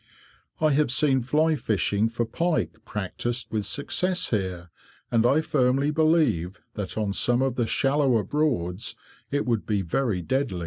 I have seen fly fishing for pike practised with success here, and I firmly believe that on some of the shallower Broads it would be very deadly.